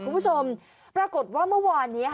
คุณผู้ชมปรากฏว่าเมื่อวานนี้